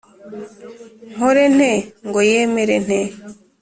nkore nte ngo yemere’ nte’